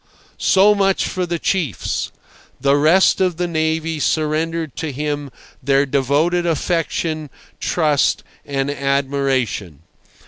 So much for the chiefs; the rest of the navy surrendered to him their devoted affection, trust, and admiration.